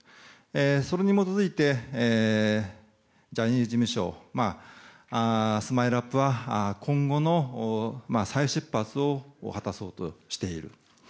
それに基づいてジャニーズ事務所ＳＭＩＬＥ‐ＵＰ．は今後の再出発を果たそうとしている。